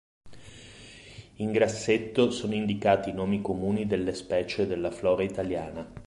In grassetto sono indicati i nomi comuni delle specie della flora italiana.